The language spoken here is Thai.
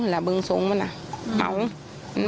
แล้วต้องวังคาตัว